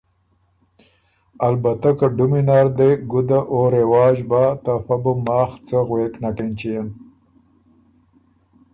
”البته که ډُمی نر دې ګُده او رواج بۀ ته فۀ بو ماخ څه غوېک نک اېنچيېن“